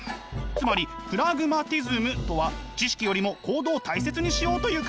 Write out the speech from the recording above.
つまりプラグマティズムとは知識よりも行動を大切にしようという考えなのです！